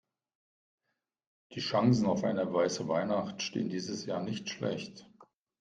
Die Chancen auf eine weiße Weihnacht stehen dieses Jahr nicht schlecht.